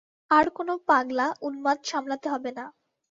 আর কোনো পাগলা, উন্মাদ সামলাতে হবে না।